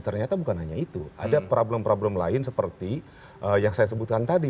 ternyata bukan hanya itu ada problem problem lain seperti yang saya sebutkan tadi